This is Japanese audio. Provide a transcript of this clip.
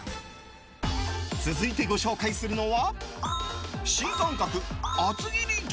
続いてご紹介するのは。